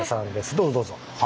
どうぞどうぞ。